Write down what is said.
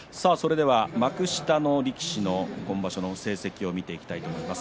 幕下の力士の今場所の成績を見ていきます。